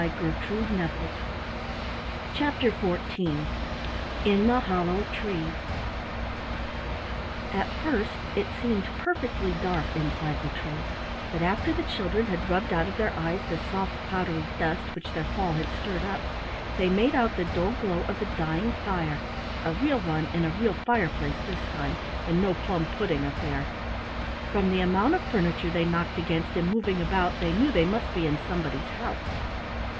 CHAPTER XIV IN THE HOLLOW TREE At first it seemed perfectly dark inside the tree, but after the children had rubbed out of their eyes the soft powdery dust which their fall had stirred up, they made out the dull glow of a dying fire, a real one in a real fireplace this time, and no plum pudding affair. From the amount of furniture they knocked against in moving about they knew they must be in somebody's house.